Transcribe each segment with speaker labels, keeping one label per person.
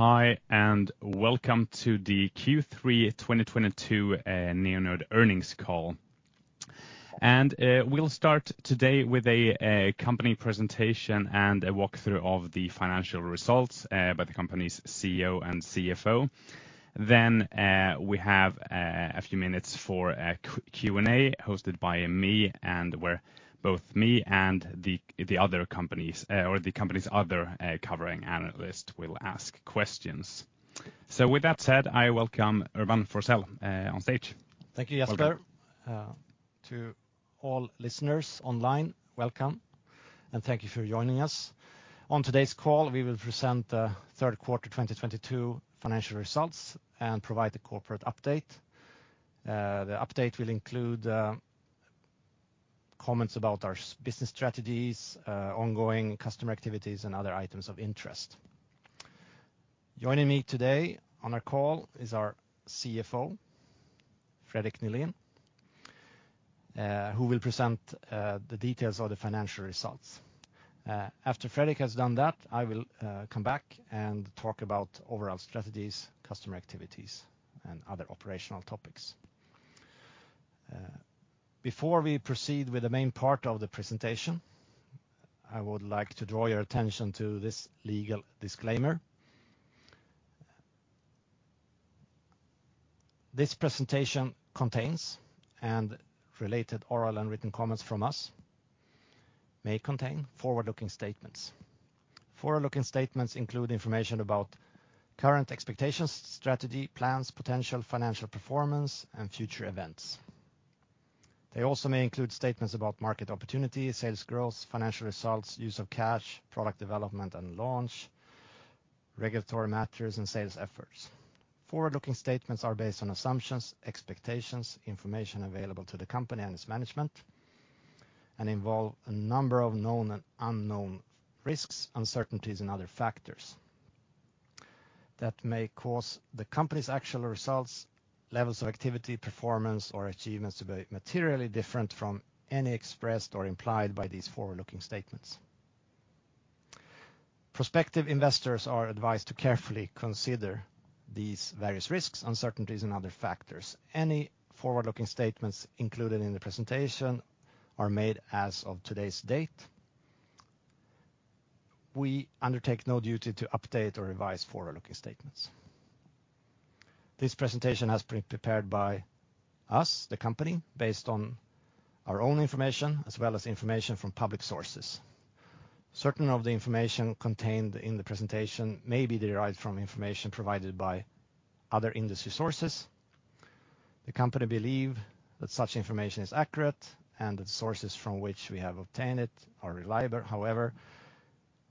Speaker 1: Welcome to the Q3 2022 Neonode earnings call. We will start today with a company presentation and a walkthrough of the financial results by the company's CEO and CFO. We have a few minutes for a Q&A hosted by me, where both me and the company's other covering analyst will ask questions. With that said, I welcome Urban Forssell on stage.
Speaker 2: Thank you, Jasper. To all listeners online, welcome, and thank you for joining us. On today's call, we will present the third quarter 2022 financial results and provide a corporate update. The update will include comments about our business strategies, ongoing customer activities, and other items of interest. Joining me today on our call is our CFO, Fredrik Nihlén, who will present the details of the financial results. After Fredrik has done that, I will come back and talk about overall strategies, customer activities, and other operational topics. Before we proceed with the main part of the presentation, I would like to draw your attention to this legal disclaimer. This presentation contains, and related oral and written comments from us, may contain forward-looking statements. Forward-looking statements include information about current expectations, strategy, plans, potential financial performance, and future events. They also may include statements about market opportunity, sales growth, financial results, use of cash, product development and launch, regulatory matters, and sales efforts. Forward-looking statements are based on assumptions, expectations, information available to the company and its management, and involve a number of known and unknown risks, uncertainties, and other factors that may cause the company's actual results, levels of activity, performance, or achievements to be materially different from any expressed or implied by these forward-looking statements. Prospective investors are advised to carefully consider these various risks, uncertainties, and other factors. Any forward-looking statements included in the presentation are made as of today's date. We undertake no duty to update or revise forward-looking statements. This presentation has been prepared by us, the company, based on our own information, as well as information from public sources. Certain of the information contained in the presentation may be derived from information provided by other industry sources. The company believes that such information is accurate and that the sources from which we have obtained it are reliable. However,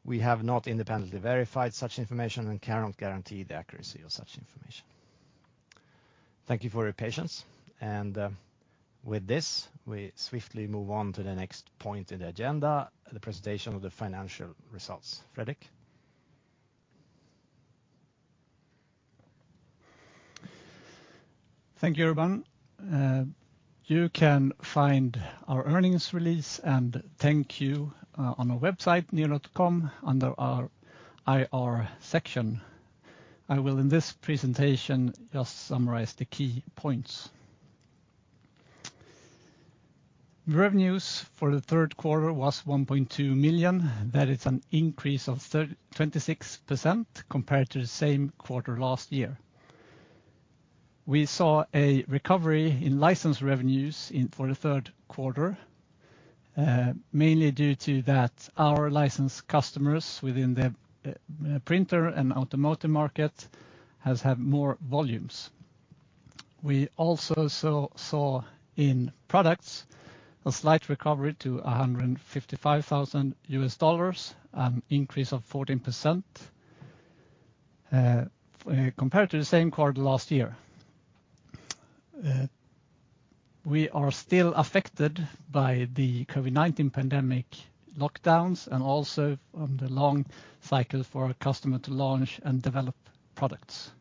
Speaker 2: we have not independently verified such information and cannot guarantee the accuracy of such information. Thank you for your patience. With this, we swiftly move on to the next point in the agenda, the presentation of the financial results. Fredrik.
Speaker 3: Thank you, Urban. You can find our earnings release and thank you on our website, neonode.com, under our IR section. I will, in this presentation, just summarize the key points. Revenues for the third quarter was $1.2 million. That is an increase of 26% compared to the same quarter last year. We saw a recovery in license revenues for the third quarter, mainly due to that our license customers within the printer and automotive market have more volumes. We also saw in products a slight recovery to $155,000, an increase of 14% compared to the same quarter last year. We are still affected by the COVID-19 pandemic lockdowns and also the long cycle for our customer to launch and develop products.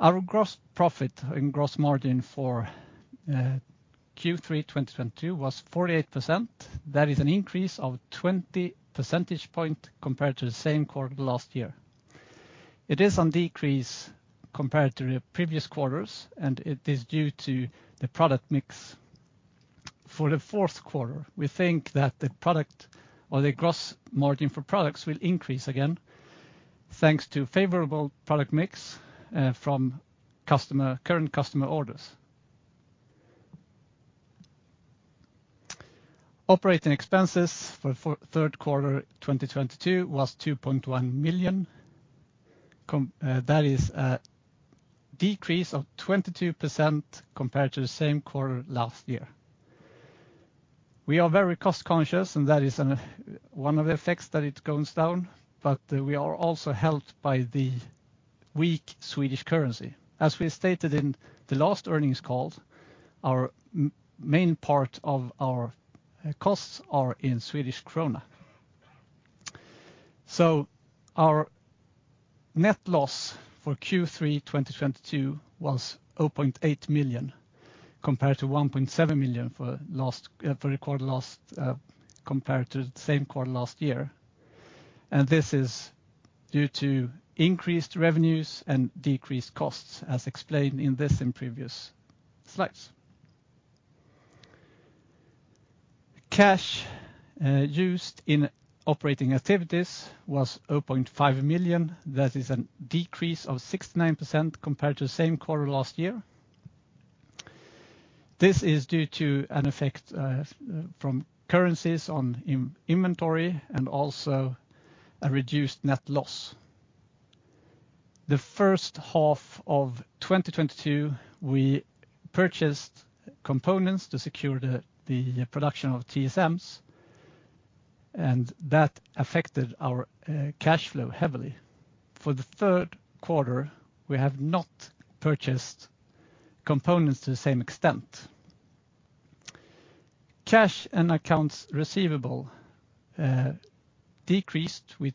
Speaker 3: Our gross profit and gross margin for Q3 2022 was 48%. That is an increase of 20 percentage points compared to the same quarter last year.It is a decrease compared to the previous quarters, and it is due to the product mix. For the fourth quarter, we think that the product or the gross margin for products will increase again thanks to a favorable product mix from current customer orders. Operating expenses for the third quarter 2022 was $2.1 million. That is a decrease of 22% compared to the same quarter last year. We are very cost-conscious, and that is one of the effects that it goes down, but we are also helped by the weak Swedish currency. As we stated in the last earnings call, our main part of our costs is in Swedish krona. Our net loss for Q3 2022 was $0.8 million compared to $1.7 million for the same quarter last year. This is due to increased revenues and decreased costs, as explained in this and previous slides. Cash used in operating activities was $500,000. That is a decrease of 69% compared to the same quarter last year. This is due to an effect from currencies on inventory and also a reduced net loss. The first half of 2022, we purchased components to secure the production of TSMs, and that affected our cash flow heavily. For the third quarter, we have not purchased components to the same extent. Cash and accounts receivable decreased by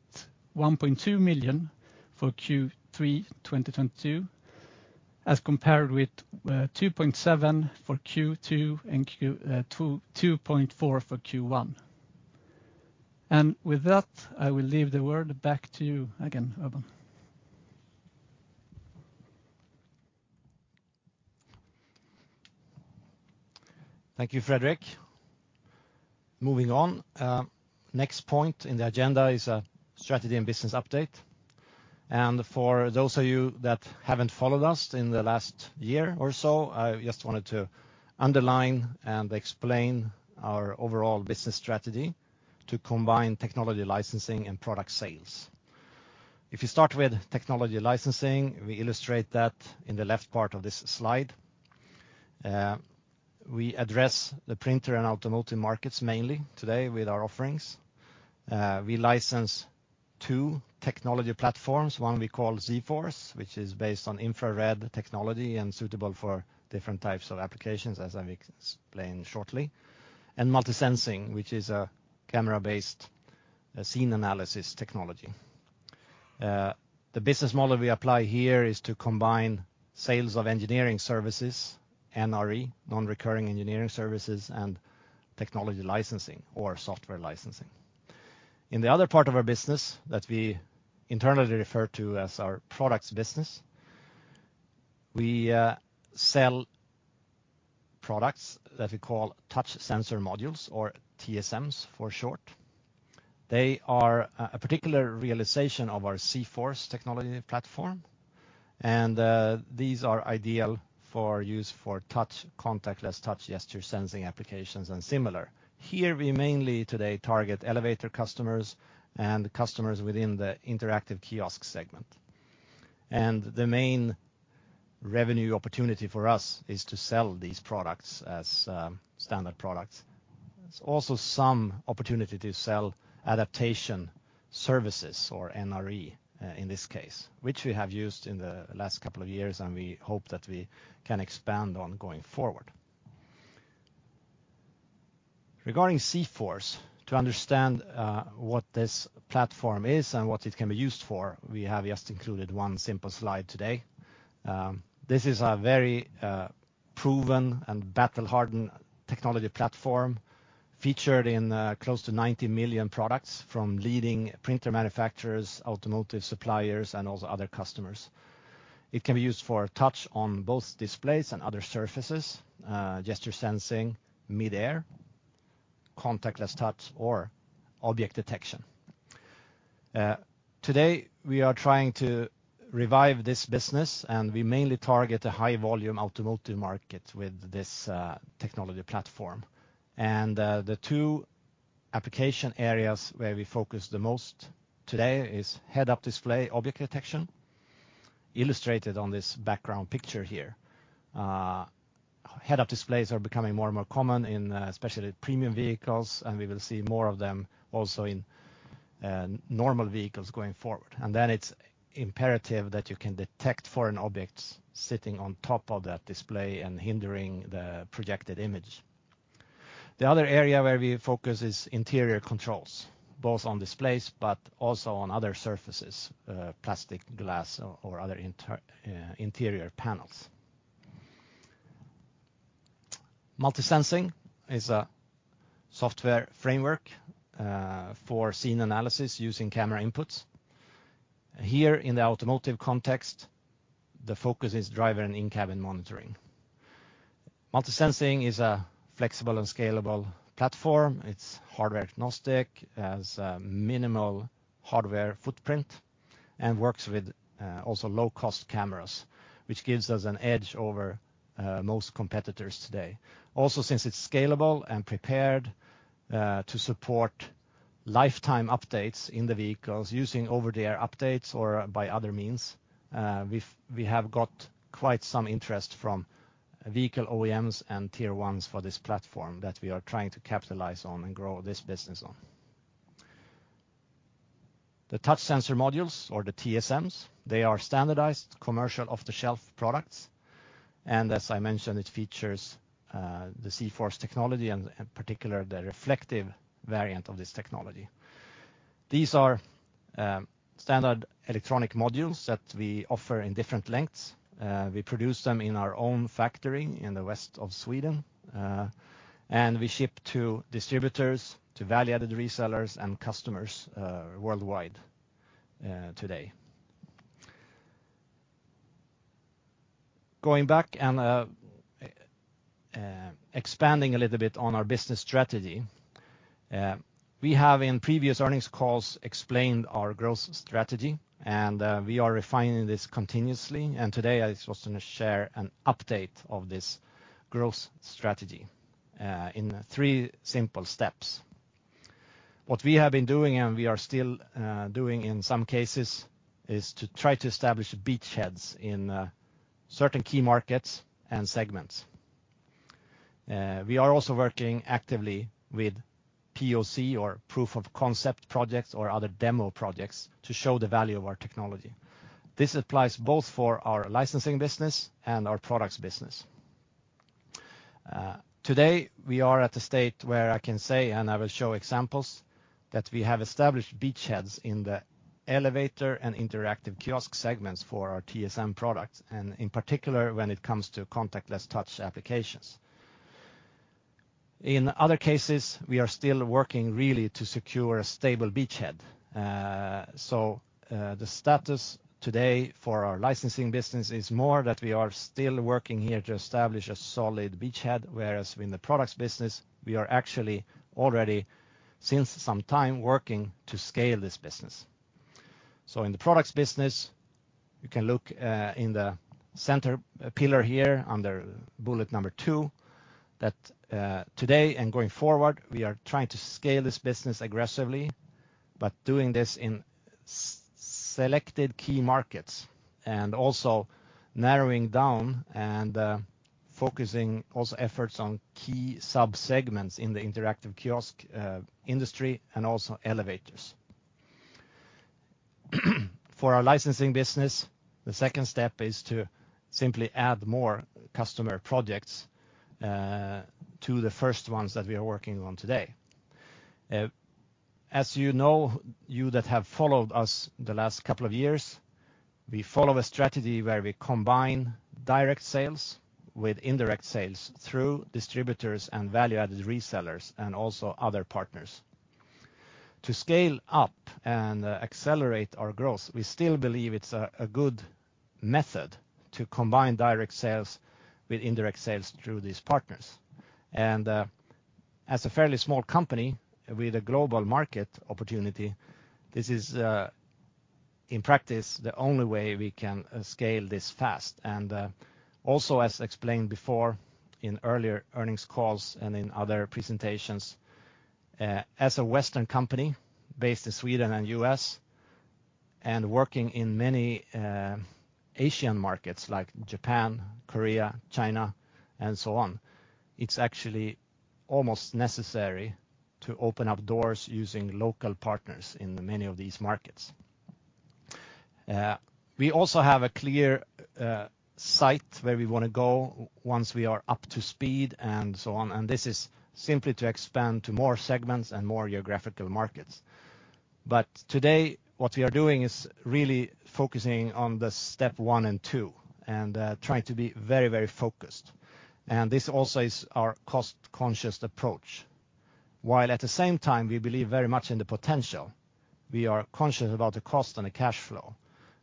Speaker 3: $1.2 million for Q3 2022, as compared with $2.7 million for Q2 and $2.4 million for Q1. With that, I will leave the word back to you again, Urban.
Speaker 2: Thank you, Fredrik. Moving on, the next point in the agenda is a strategy and business update. For those of you that have not followed us in the last year or so, I just wanted to underline and explain our overall business strategy to combine technology licensing and product sales. If you start with technology licensing, we illustrate that in the left part of this slide. We address the printer and automotive markets mainly today with our offerings. We license two technology platforms. One we call Z-Force, which is based on infrared technology and suitable for different types of applications, as I will explain shortly, and Multi-Sensing, which is a camera-based scene analysis technology. The business model we apply here is to combine sales of engineering services, NRE, non-recurring engineering services, and technology licensing or software licensing.In the other part of our business that we internally refer to as our products business, we sell products that we call touch sensor modules, or TSMs for short. They are a particular realization of our Z-Force technology platform, and these are ideal for use for touch, contactless touch, gesture sensing applications and similar. Here, we mainly today target elevator customers and customers within the interactive kiosk segment. The main revenue opportunity for us is to sell these products as standard products. There is also some opportunity to sell adaptation services, or NRE in this case, which we have used in the last couple of years, and we hope that we can expand on going forward. Regarding Z-Force, to understand what this platform is and what it can be used for, we have just included one simple slide today. This is a very proven and battle-hardened technology platform featured in close to 90 million products from leading printer manufacturers, automotive suppliers, and also other customers. It can be used for touch on both displays and other surfaces, gesture sensing, mid-air, contactless touch, or object detection. Today, we are trying to revive this business, and we mainly target a high-volume automotive market with this technology platform. The two application areas where we focus the most today are head-up display object detection, illustrated on this background picture here. Head-up displays are becoming more and more common, especially in premium vehicles, and we will see more of them also in normal vehicles going forward. It is imperative that you can detect foreign objects sitting on top of that display and hindering the projected image. The other area where we focus is interior controls, both on displays but also on other surfaces, plastic, glass, or other interior panels. Multi-Sensing is a software framework for scene analysis using camera inputs. Here, in the automotive context, the focus is driver and in-cabin monitoring. Multi-Sensing is a flexible and scalable platform. It's hardware agnostic, has a minimal hardware footprint, and works with also low-cost cameras, which gives us an edge over most competitors today. Also, since it's scalable and prepared to support lifetime updates in the vehicles using over-the-air updates or by other means, we have got quite some interest from vehicle OEMs and tier ones for this platform that we are trying to capitalize on and grow this business on. The touch sensor modules, or the TSMs, they are standardized commercial off-the-shelf products. As I mentioned, it features the Z-Force technology and in particular the reflective variant of this technology. These are standard electronic modules that we offer in different lengths. We produce them in our own factory in the west of Sweden, and we ship to distributors, to value-added resellers, and customers worldwide today. Going back and expanding a little bit on our business strategy, we have in previous earnings calls explained our growth strategy, and we are refining this continuously. Today, I just want to share an update of this growth strategy in three simple steps. What we have been doing and we are still doing in some cases is to try to establish beachheads in certain key markets and segments. We are also working actively with POC, or proof of concept projects, or other demo projects to show the value of our technology. This applies both for our licensing business and our products business. Today, we are at a state where I can say, and I will show examples, that we have established beachheads in the elevator and interactive kiosk segments for our TSM products, and in particular when it comes to contactless touch applications. In other cases, we are still working really to secure a stable beachhead. The status today for our licensing business is more that we are still working here to establish a solid beachhead, whereas in the products business, we are actually already since some time working to scale this business. In the products business, you can look in the center pillar here under bullet number two that today and going forward, we are trying to scale this business aggressively, but doing this in selected key markets and also narrowing down and focusing also efforts on key subsegments in the interactive kiosk industry and also elevators. For our licensing business, the second step is to simply add more customer projects to the first ones that we are working on today. As you know, you that have followed us the last couple of years, we follow a strategy where we combine direct sales with indirect sales through distributors and value-added resellers and also other partners. To scale up and accelerate our growth, we still believe it's a good method to combine direct sales with indirect sales through these partners. As a fairly small company with a global market opportunity, this is in practice the only way we can scale this fast. Also, as explained before in earlier earnings calls and in other presentations, as a Western company based in Sweden and the US and working in many Asian markets like Japan, Korea, China, and so on, it's actually almost necessary to open up doors using local partners in many of these markets. We also have a clear site where we want to go once we are up to speed and so on, and this is simply to expand to more segments and more geographical markets. Today, what we are doing is really focusing on the step one and two and trying to be very, very focused. This also is our cost-conscious approach. While at the same time, we believe very much in the potential, we are conscious about the cost and the cash flow,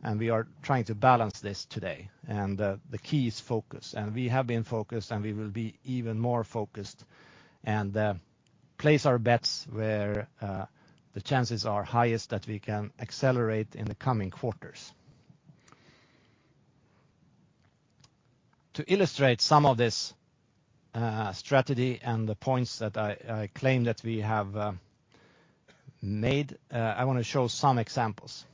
Speaker 2: and we are trying to balance this today. The key is focus, and we have been focused, and we will be even more focused and place our bets where the chances are highest that we can accelerate in the coming quarters. To illustrate some of this strategy and the points that I claim that we have made, I want to show some examples.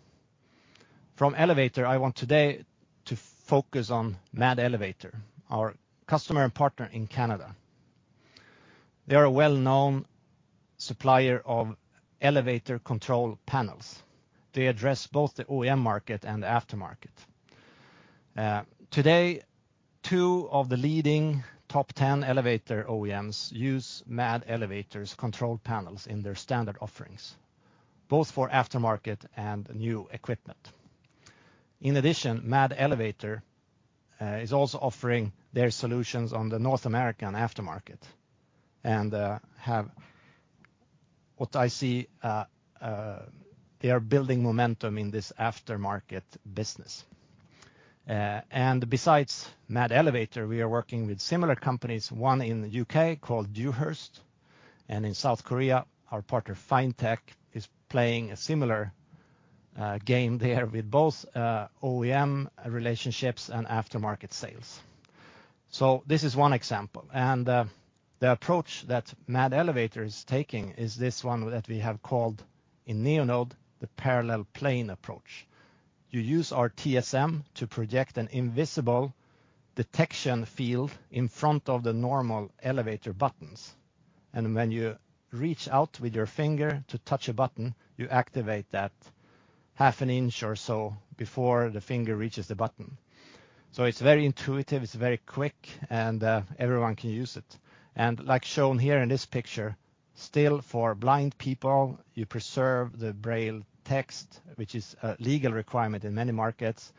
Speaker 2: From elevator, I want today to focus on Mad Elevator, our customer and partner in Canada. They are a well-known supplier of elevator control panels. They address both the OEM market and the aftermarket. Today, two of the leading top 10 elevator OEMs use Mad Elevator's control panels in their standard offerings, both for aftermarket and new equipment. In addition, Mad Elevator is also offering their solutions on the North American aftermarket. What I see, they are building momentum in this aftermarket business. Besides Mad Elevator, we are working with similar companies, one in the U.K. called Dewhurst, and in South Korea, our partner FineTech is playing a similar game there with both OEM relationships and aftermarket sales. This is one example. The approach that Mad Elevator is taking is this one that we have called in Neonode the parallel plane approach. You use our TSM to project an invisible detection field in front of the normal elevator buttons. When you reach out with your finger to touch a button, you activate that half an inch or so before the finger reaches the button. It is very intuitive, it is very quick, and everyone can use it. Like shown here in this picture, still for blind people, you preserve the braille text, which is a legal requirement in many markets.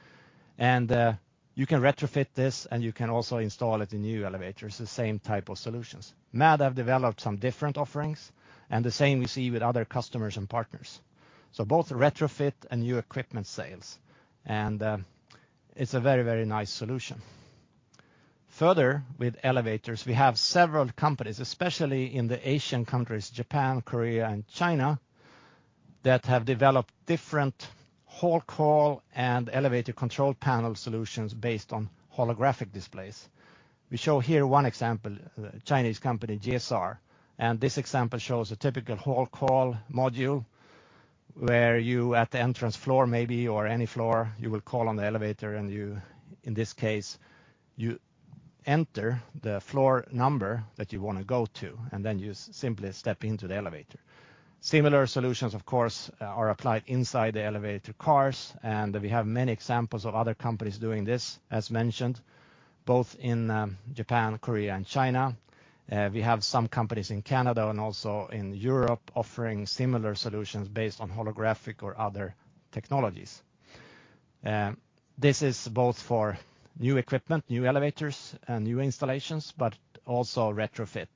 Speaker 2: You can retrofit this, and you can also install it in new elevators, the same type of solutions. Mad have developed some different offerings and the same we see with other customers and partners. Both retrofit and new equipment sales, and it's a very, very nice solution. Further, with elevators, we have several companies, especially in the Asian countries, Japan, Korea, and China, that have developed different hall call and elevator control panel solutions based on holographic displays. We show here one example, the Chinese company GSR. This example shows a typical hall call module where you at the entrance floor maybe or any floor, you will call on the elevator, and in this case, you enter the floor number that you want to go to, and then you simply step into the elevator. Similar solutions, of course, are applied inside the elevator cars, and we have many examples of other companies doing this, as mentioned, both in Japan, Korea, and China. We have some companies in Canada and also in Europe offering similar solutions based on holographic or other technologies. This is both for new equipment, new elevators, and new installations, but also retrofit.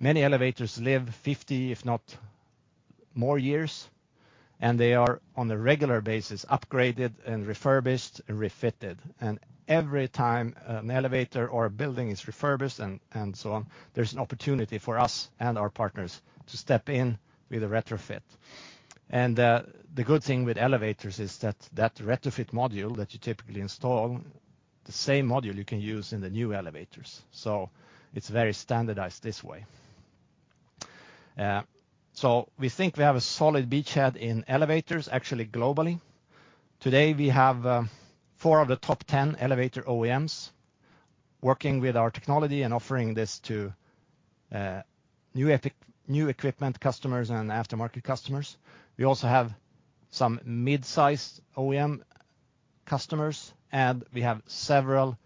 Speaker 2: Many elevators live 50, if not more years, and they are on a regular basis upgraded and refurbished and refitted. Every time an elevator or a building is refurbished and so on, there is an opportunity for us and our partners to step in with a retrofit. The good thing with elevators is that that retrofit module that you typically install, the same module you can use in the new elevators. It is very standardized this way. We think we have a solid beachhead in elevators, actually globally. Today, we have four of the top 10 elevator OEMs working with our technology and offering this to new equipment customers and aftermarket customers. We also have some mid-sized OEM customers, and we have several,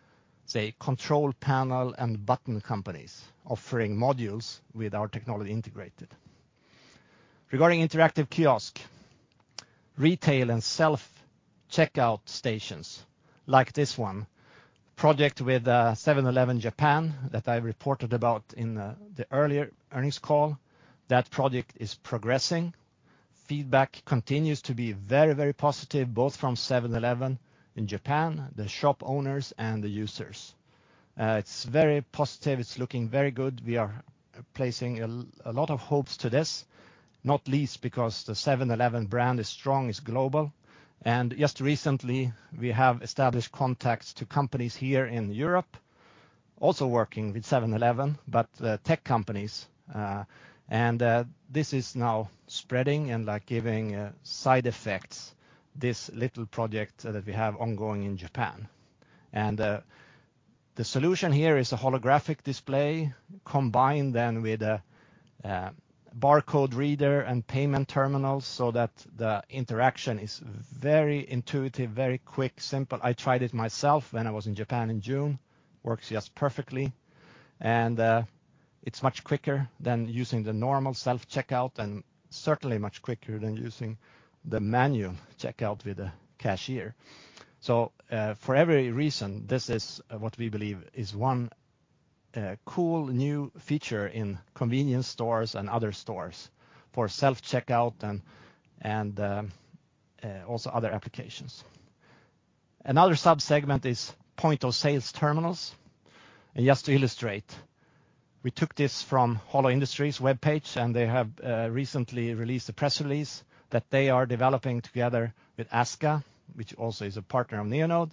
Speaker 2: say, control panel and button companies offering modules with our technology integrated. Regarding interactive kiosk, retail and self-checkout stations like this one, project with 7-Eleven Japan that I reported about in the earlier earnings call, that project is progressing. Feedback continues to be very, very positive, both from 7-Eleven in Japan, the shop owners, and the users. It is very positive. It is looking very good. We are placing a lot of hopes to this, not least because the 7-Eleven brand is strong, is global. Just recently, we have established contacts to companies here in Europe, also working with 7-Eleven, but tech companies. This is now spreading and giving side effects, this little project that we have ongoing in Japan. The solution here is a holographic display combined then with a barcode reader and payment terminals so that the interaction is very intuitive, very quick, simple. I tried it myself when I was in Japan in June. Works just perfectly. It is much quicker than using the normal self-checkout and certainly much quicker than using the manual checkout with a cashier. For every reason, this is what we believe is one cool new feature in convenience stores and other stores for self-checkout and also other applications. Another subsegment is point-of-sales terminals. Just to illustrate, we took this from Holo Industries' webpage, and they have recently released a press release that they are developing together with ASCA, which also is a partner of Neonode,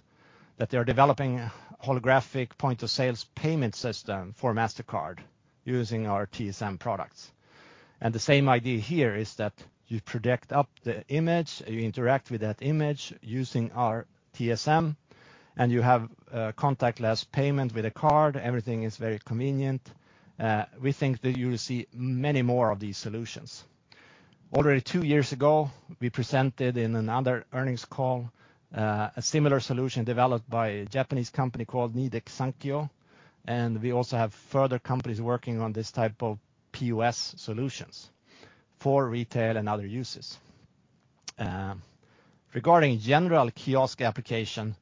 Speaker 2: that they are developing a holographic point-of-sales payment system for MasterCard using our TSM products. The same idea here is that you project up the image, you interact with that image using our TSM, and you have contactless payment with a card. Everything is very convenient. We think that you will see many more of these solutions. Already two years ago, we presented in another earnings call a similar solution developed by a Japanese company called Nidec Sankyo, and we also have further companies working on this type of POS solutions for retail and other uses. Regarding general kiosk application,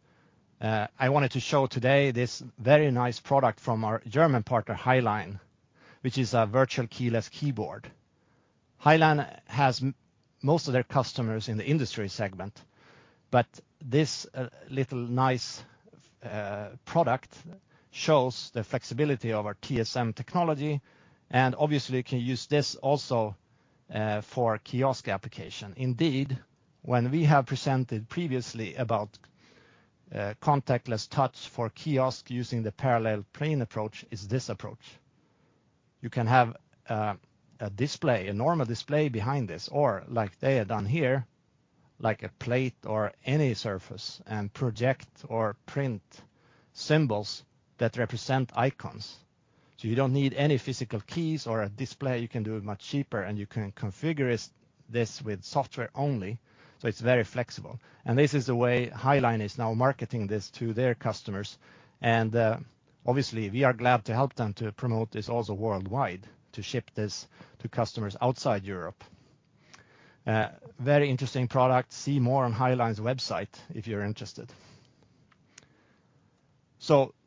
Speaker 2: I wanted to show today this very nice product from our German partner, Heilan, which is a virtual keyless keyboard. Heilan has most of their customers in the industry segment, but this little nice product shows the flexibility of our TSM technology, and obviously, you can use this also for kiosk application. Indeed, when we have presented previously about contactless touch for kiosk using the parallel plane approach, is this approach. You can have a display, a normal display behind this, or like they have done here, like a plate or any surface and project or print symbols that represent icons. You do not need any physical keys or a display. You can do it much cheaper, and you can configure this with software only. It is very flexible. This is the way Heilan is now marketing this to their customers. Obviously, we are glad to help them to promote this also worldwide to ship this to customers outside Europe. Very interesting product. See more on Heilan's website if you are interested.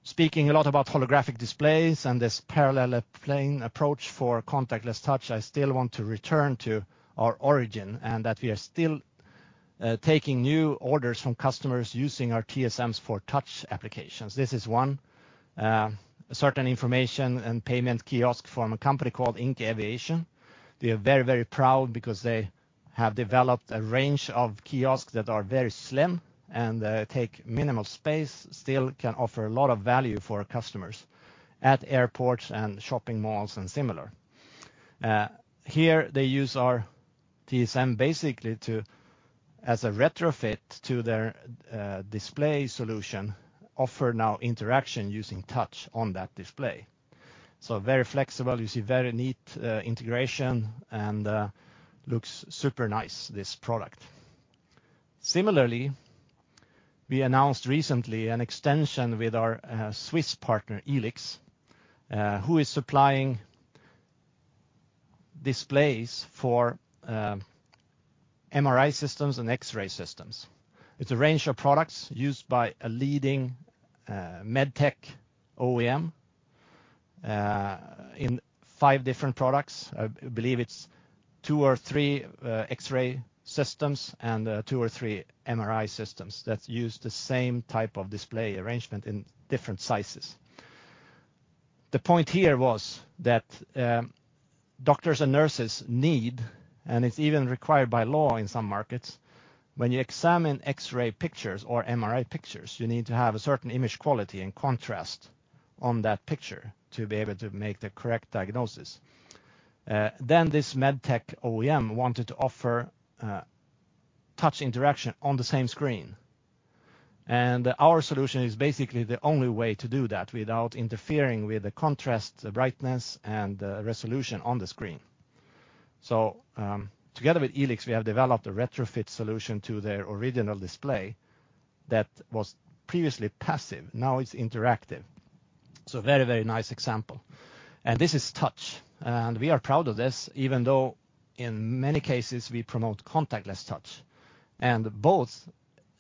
Speaker 2: Speaking a lot about holographic displays and this parallel plane approach for contactless touch, I still want to return to our origin and that we are still taking new orders from customers using our TSMs for touch applications. This is one. Certain information and payment kiosk from a company called Ink Aviation. They are very, very proud because they have developed a range of kiosks that are very slim and take minimal space, still can offer a lot of value for customers at airports and shopping malls and similar. Here, they use our TSM basically as a retrofit to their display solution, offer now interaction using touch on that display. Very flexible. You see very neat integration and looks super nice, this product. Similarly, we announced recently an extension with our Swiss partner, Elix, who is supplying displays for MRI systems and X-ray systems. It is a range of products used by a leading med tech OEM in five different products. I believe it is two or three X-ray systems and two or three MRI systems that use the same type of display arrangement in different sizes. The point here was that doctors and nurses need, and it's even required by law in some markets, when you examine X-ray pictures or MRI pictures, you need to have a certain image quality and contrast on that picture to be able to make the correct diagnosis. This med tech OEM wanted to offer touch interaction on the same screen. Our solution is basically the only way to do that without interfering with the contrast, the brightness, and the resolution on the screen. Together with Elix, we have developed a retrofit solution to their original display that was previously passive. Now it's interactive. Very, very nice example. This is touch. We are proud of this, even though in many cases, we promote contactless touch.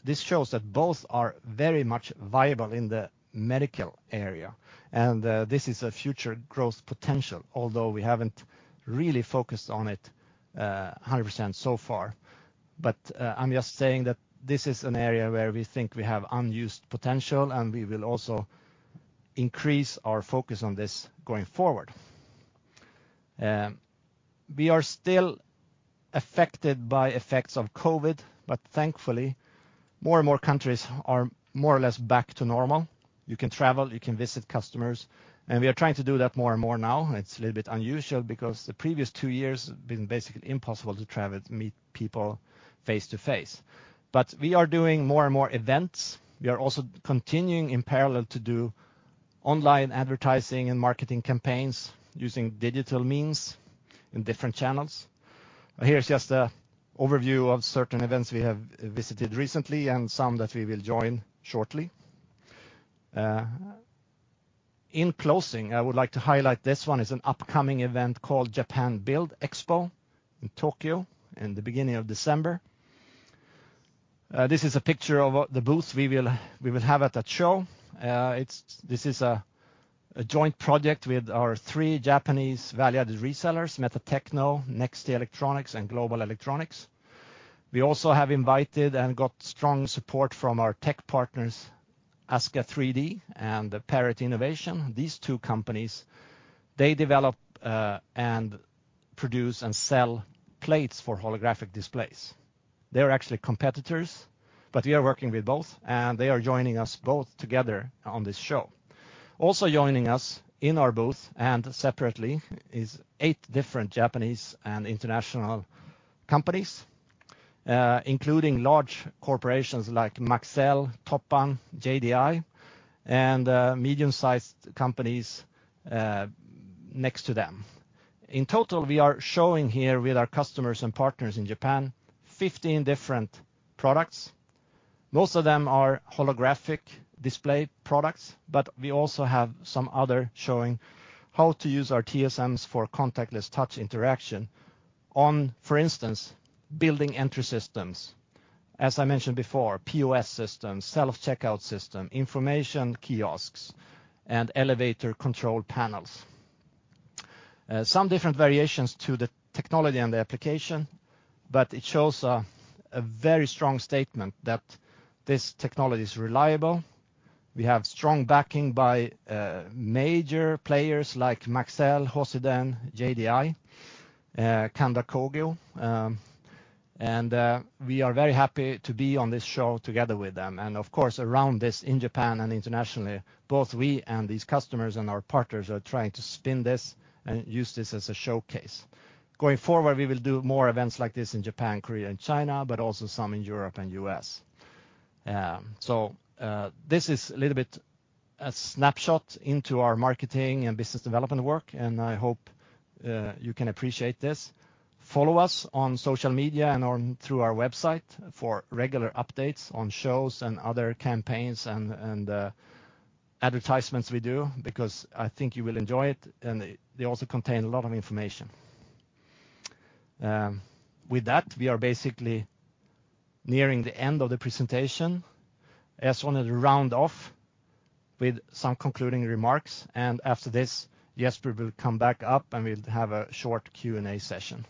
Speaker 2: This shows that both are very much viable in the medical area. This is a future growth potential, although we have not really focused on it 100% so far. I am just saying that this is an area where we think we have unused potential, and we will also increase our focus on this going forward. We are still affected by effects of COVID, but thankfully, more and more countries are more or less back to normal. You can travel, you can visit customers. We are trying to do that more and more now. It is a little bit unusual because the previous two years have been basically impossible to travel, meet people face to face. We are doing more and more events. We are also continuing in parallel to do online advertising and marketing campaigns using digital means in different channels. Here is just an overview of certain events we have visited recently and some that we will join shortly. In closing, I would like to highlight this one is an upcoming event called Japan Build Expo in Tokyo in the beginning of December. This is a picture of the booth we will have at that show. This is a joint project with our three Japanese value-added resellers, Meta Techno, Nexty Electronics, and Global Electronics. We also have invited and got strong support from our tech partners, ASCA 3D and Parrot Innovation. These two companies, they develop and produce and sell plates for holographic displays. They are actually competitors, but we are working with both, and they are joining us both together on this show. Also joining us in our booth and separately is eight different Japanese and international companies, including large corporations like Maxell, Toppan, JDI, and medium-sized companies next to them. In total, we are showing here with our customers and partners in Japan 15 different products. Most of them are holographic display products, but we also have some others showing how to use our TSMs for contactless touch interaction on, for instance, building entry systems. As I mentioned before, POS systems, self-checkout system, information kiosks, and elevator control panels. Some different variations to the technology and the application, but it shows a very strong statement that this technology is reliable. We have strong backing by major players like Maxell, Hosiden, JDI, Kanda Kogyo. We are very happy to be on this show together with them. around this in Japan and internationally, both we and these customers and our partners are trying to spin this and use this as a showcase. Going forward, we will do more events like this in Japan, Korea, and China, but also some in Europe and US. This is a little bit a snapshot into our marketing and business development work, and I hope you can appreciate this. Follow us on social media and through our website for regular updates on shows and other campaigns and advertisements we do because I think you will enjoy it, and they also contain a lot of information. With that, we are basically nearing the end of the presentation. I just wanted to round off with some concluding remarks, and after this, Jesper will come back up and we'll have a short Q&A session.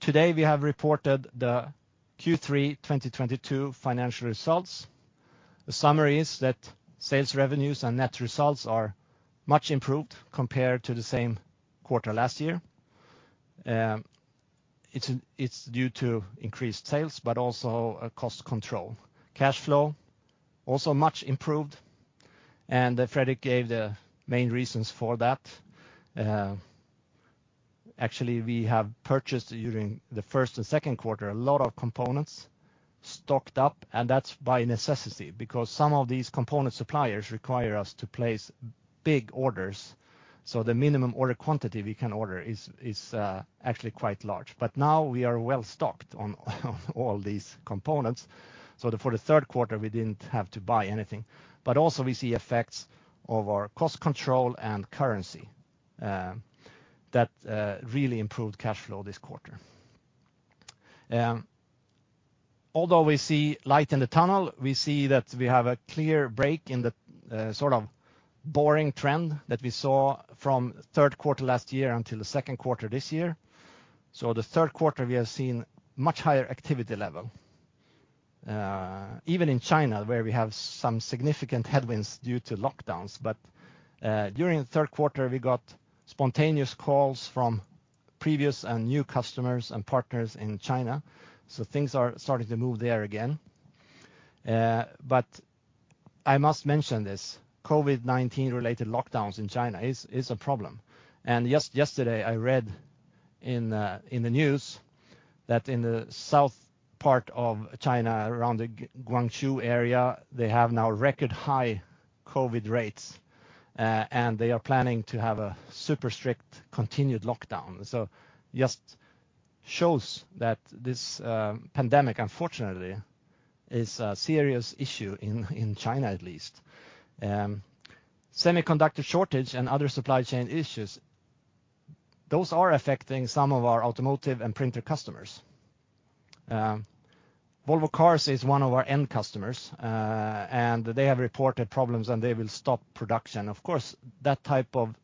Speaker 2: Today, we have reported the Q3 2022 financial results. The summary is that sales revenues and net results are much improved compared to the same quarter last year. It's due to increased sales, but also cost control. Cash flow also much improved. Fredrik gave the main reasons for that. Actually, we have purchased during the first and second quarter a lot of components stocked up, and that's by necessity because some of these component suppliers require us to place big orders. The minimum order quantity we can order is actually quite large. Now we are well stocked on all these components. For the third quarter, we did not have to buy anything. Also, we see effects of our cost control and currency that really improved cash flow this quarter. Although we see light in the tunnel, we see that we have a clear break in the boring trend that we saw from third quarter last year until the second quarter this year. The third quarter, we have seen much higher activity level. Even in China, where we have some significant headwinds due to lockdowns, during the third quarter, we got spontaneous calls from previous and new customers and partners in China. Things are starting to move there again. I must mention this. COVID-19-related lockdowns in China is a problem. Just yesterday, I read in the news that in the south part of China, around the Guangzhou area, they have now record high COVID rates, and they are planning to have a super strict continued lockdown. It just shows that this pandemic, unfortunately, is a serious issue in China, at least. Semiconductor shortage and other supply chain issues, those are affecting some of our automotive and printer customers. Volvo Cars is one of our end customers, and they have reported problems, and they will stop production. That type of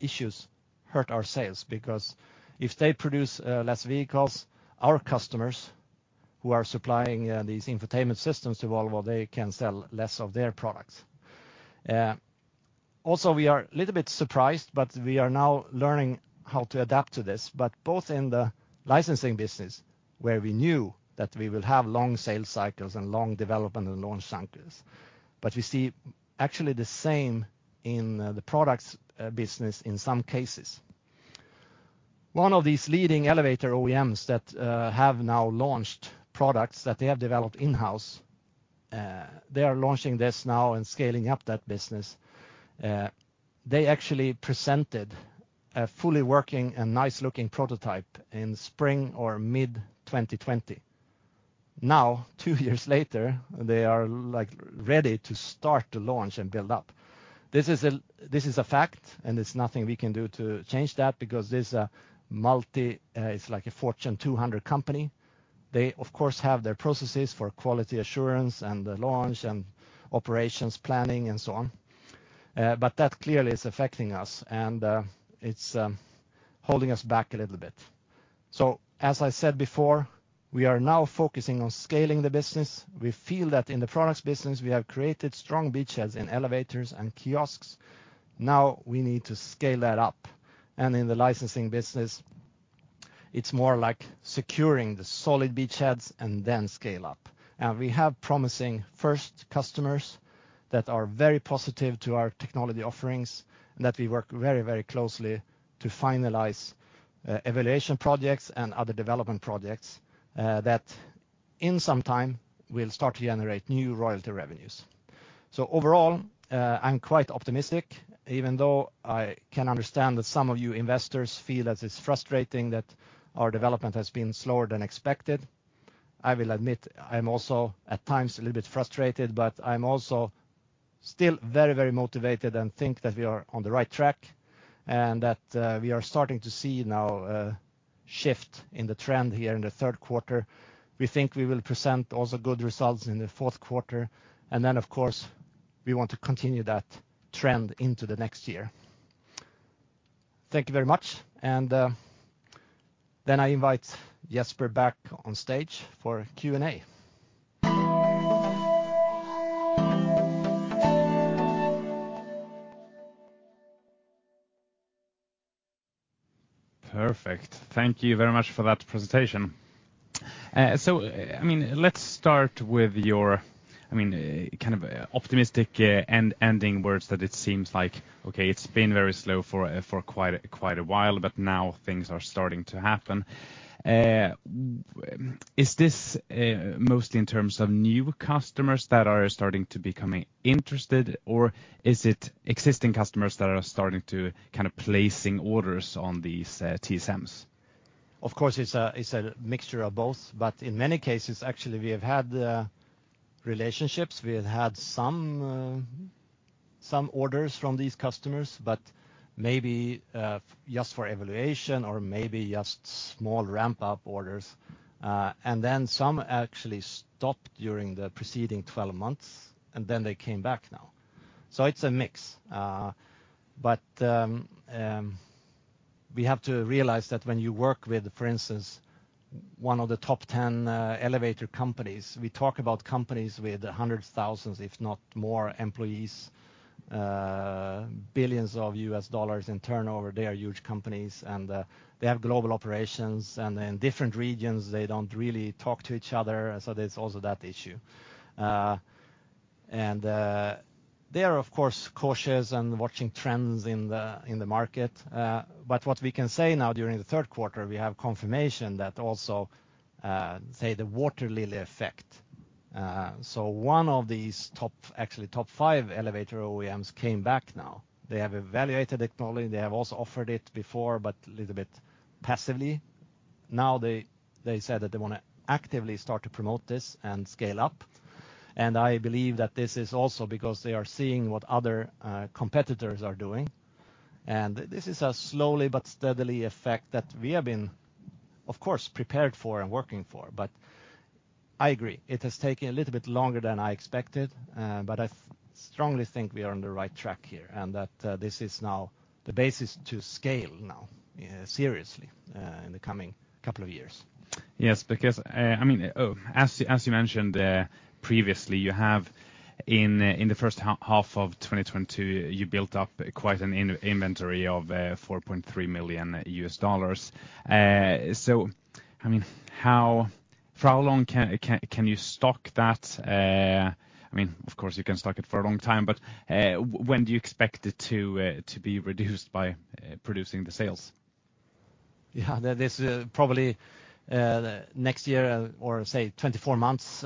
Speaker 2: issues hurt our sales because if they produce less vehicles, our customers who are supplying these infotainment systems to Volvo, they can sell less of their products. Also, we are a little bit surprised, but we are now learning how to adapt to this. Both in the licensing business, where we knew that we will have long sales cycles and long development and launch cycles, we see actually the same in the products business in some cases. One of these leading elevator OEMs that have now launched products that they have developed in-house, they are launching this now and scaling up that business. They actually presented a fully working and nice-looking prototype in spring or mid-2020. Now, two years later, they are ready to start the launch and build up. This is a fact, and there's nothing we can do to change that because it's like a Fortune 200 company. They, of course, have their processes for quality assurance and the launch and operations planning and so on. That clearly is affecting us, and it's holding us back a little bit. As I said before, we are now focusing on scaling the business. We feel that in the products business, we have created strong beachheads in elevators and kiosks. Now we need to scale that up. In the licensing business, it's more like securing the solid beachheads and then scale up. We have promising first customers that are very positive to our technology offerings and that we work very, very closely to finalize evaluation projects and other development projects that in some time will start to generate new royalty revenues. Overall, I'm quite optimistic, even though I can understand that some of you investors feel that it's frustrating that our development has been slower than expected. I will admit I'm also at times a little bit frustrated, but I'm also still very, very motivated and think that we are on the right track and that we are starting to see now a shift in the trend here in the third quarter. We think we will present also good results in the fourth quarter. We want to continue that trend into the next year. Thank you very much. I invite Jesper back on stage for Q&A. Perfect.
Speaker 1: Thank you very much for that presentation. I mean, let's start with your, I mean optimistic ending words that it seems like, okay, it's been very slow for quite a while, but now things are starting to happen. Is this mostly in terms of new customers that are starting to become interested, or is it existing customers that are starting to place orders on these TSMs?
Speaker 2: It's a mixture of both. In many cases, actually, we have had relationships. We have had some orders from these customers, but maybe just for evaluation or maybe just small ramp-up orders. Some actually stopped during the preceding 12 months, and then they came back now. It is a mix. We have to realize that when you work with, for instance, one of the top 10 elevator companies, we talk about companies with hundreds of thousands, if not more, employees, billions of US dollars in turnover. They are huge companies, and they have global operations. In different regions, they do not really talk to each other. There is also that issue. They are, of course, cautious and watching trends in the market. What we can say now during the third quarter, we have confirmation that also, say, the Water Lily effect. One of these top, actually top five elevator OEMs came back now. They have evaluated the technology. They have also offered it before, but a little bit passively. Now they said that they want to actively start to promote this and scale up. I believe that this is also because they are seeing what other competitors are doing. This is a slowly but steadily effect that we have been, of course, prepared for and working for. I agree, it has taken a little bit longer than I expected, but I strongly think we are on the right track here and that this is now the basis to scale now seriously in the coming couple of years.
Speaker 1: Yes, because, I mean, as you mentioned previously, you have in the first half of 2022, you built up quite an inventory of $4.3 million. ow long can you stock that? I mean, of course, you can stock it for a long time, but when do you expect it to be reduced by producing the sales?
Speaker 2: Yeah, this is probably next year or say 24 months,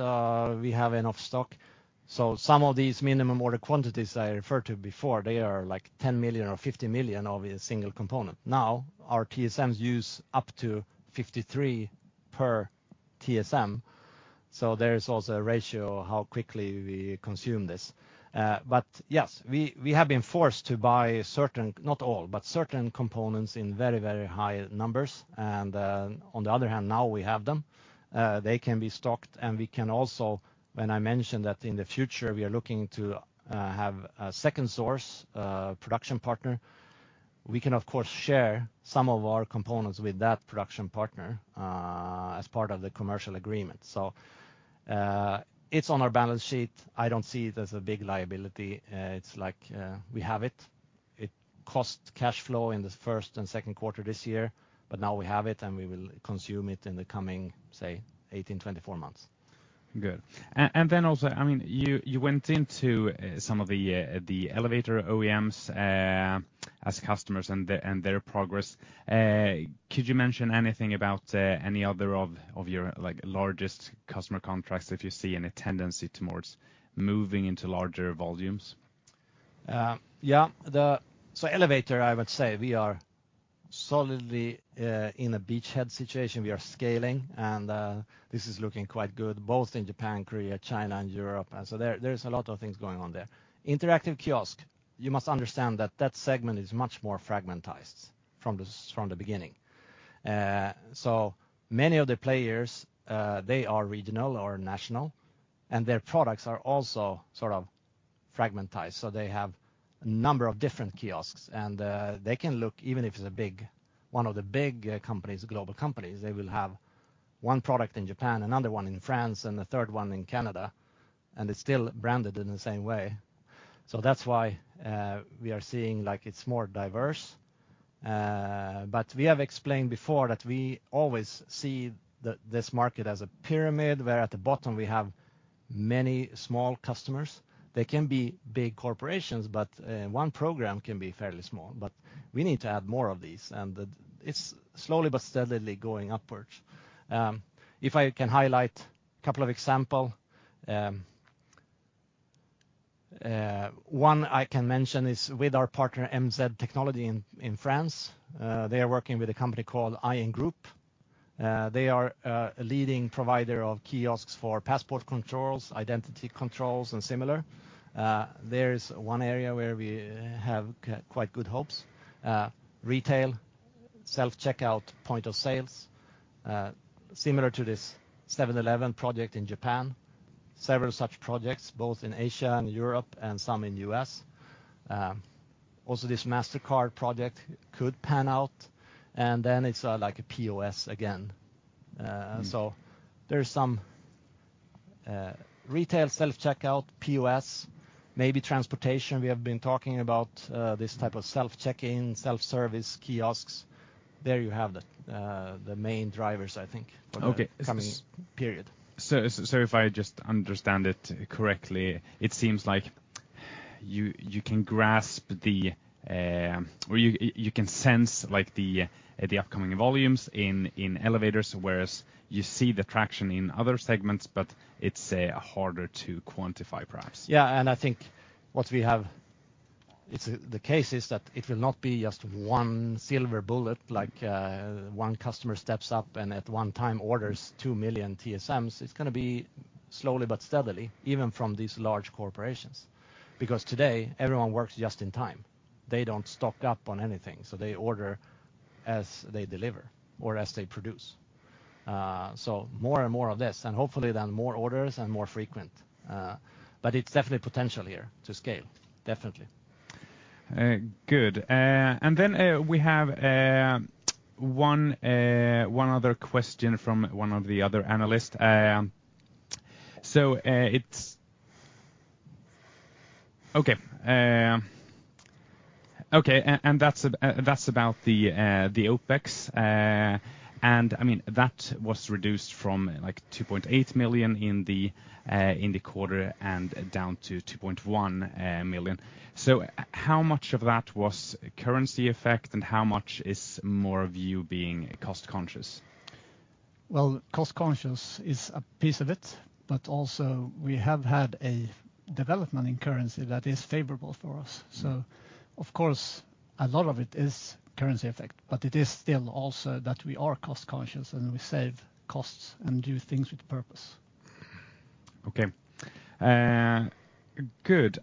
Speaker 2: we have enough stock. Some of these minimum order quantities I referred to before, they are like 10 million or 50 million of a single component. Now our TSMs use up to 53 per TSM. There is also a ratio of how quickly we consume this. Yes, we have been forced to buy certain, not all, but certain components in very, very high numbers. On the other hand, now we have them. They can be stocked. When I mentioned that in the future, we are looking to have a second source production partner, we can, of course, share some of our components with that production partner as part of the commercial agreement. It is on our balance sheet. I do not see it as a big liability. It is like we have it.It cost cash flow in the first and second quarter this year, but now we have it and we will consume it in the coming, say, 18-24 months.
Speaker 1: Good. I mean, you went into some of the elevator OEMs as customers and their progress. Could you mention anything about any other of your largest customer contracts if you see any tendency towards moving into larger volumes?
Speaker 2: Yeah. Elevator, I would say we are solidly in a beachhead situation. We are scaling, and this is looking quite good both in Japan, Korea, China, and Europe. There is a lot of things going on there. Interactive kiosk, you must understand that that segment is much more fragmentized from the beginning. Many of the players, they are regional or national, and their products are also fragmentized. They have a number of different kiosks, and they can look, even if it's a big, one of the big companies, global companies, they will have one product in Japan, another one in France, and a third one in Canada, and it's still branded in the same way. That is why we are seeing like it's more diverse. We have explained before that we always see this market as a pyramid where at the bottom we have many small customers. They can be big corporations, but one program can be fairly small. We need to add more of these, and it's slowly but steadily going upwards. If I can highlight a couple of examples. One I can mention is with our partner MZ Technology in France. They are working with a company called Ayen Group.They are a leading provider of kiosks for passport controls, identity controls, and similar. There is one area where we have quite good hopes: retail, self-checkout, point of sales, similar to this 7-Eleven project in Japan, several such projects both in Asia and Europe and some in the US. Also, this MasterCard project could pan out, and then it's like a POS again. There is some retail, self-checkout, POS, maybe transportation. We have been talking about this type of self-check-in, self-service kiosks. There you have the main drivers, I think, for the coming period.
Speaker 1: If I just understand it correctly, it seems like you can grasp the, or you can sense the upcoming volumes in elevators, whereas you see the traction in other segments, but it's harder to quantify, perhaps.
Speaker 2: Yeah.I think what we have, the case is that it will not be just one silver bullet, like one customer steps up and at one time orders 2 million TSMs. It's going to be slowly but steadily, even from these large corporations, because today everyone works just in time. They do not stock up on anything. They order as they deliver or as they produce. More and more of this, and hopefully then more orders and more frequent. It is definitely potential here to scale, definitely.
Speaker 1: Good. We have one other question from one of the other analysts. It is, okay. That is about the OpEx. I mean, that was reduced from like $2.8 million in the quarter and down to $2.1 million. How much of that was currency effect, and how much is more of you being cost-conscious?
Speaker 3: Cost-conscious is a piece of it, but also we have had a development in currency that is favorable for us. Alot of it is currency effect, but it is still also that we are cost-conscious and we save costs and do things with purpose.
Speaker 1: Okay. Good.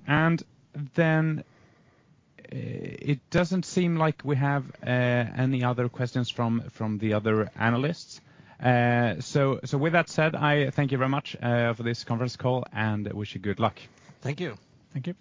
Speaker 1: It does not seem like we have any other questions from the other analysts. With that said, I thank you very much for this conference call and wish you good luck. Thank you.